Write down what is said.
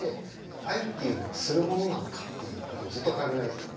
愛っていうのはするものなのかっていうことをずっと考えてたの。